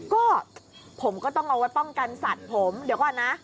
ก็ผมก็ต้องเอาไว้ป้องกันสัตว์ผมเดี๋ยวก่อนนะ